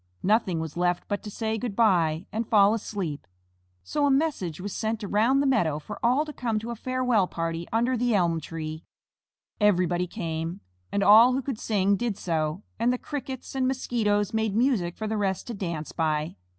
Nothing was left but to say "Good by," and fall asleep. So a message was sent around the meadow for all to come to a farewell party under the elm tree. Everybody came, and all who could sing did so, and the Crickets and Mosquitoes made music for the rest to dance by.